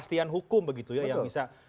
kepastian hukum begitu ya yang bisa